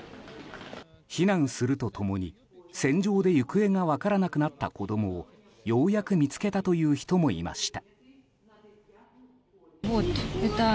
避難すると共に戦場で行方が分からなくなった子供をようやく見つけたという人もいました。